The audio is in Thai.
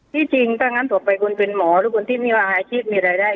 ที่จริงถ้างั้นต่อไปคุณเป็นหมอหรือคนที่ไม่ว่าอาชีพมีรายได้